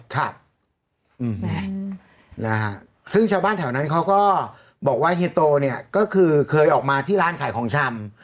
ครับนะฮะซึ่งชาวบ้านแถวนั้นเขาก็บอกว่าเฮียโตเนี่ยก็คือเคยออกมาที่ร้านขายของชำ